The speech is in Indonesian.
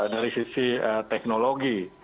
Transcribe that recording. dari sisi teknologi